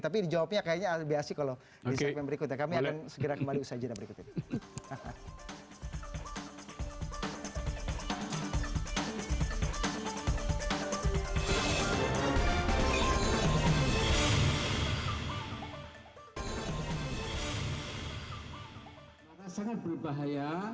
tapi jawabannya kayaknya biasa kalau di segmen berikutnya